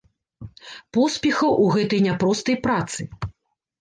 Поспехаў у гэтай няпростай працы!